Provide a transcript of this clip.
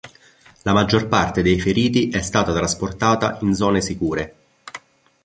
La maggior parte dei feriti è stata trasportata in zone sicure.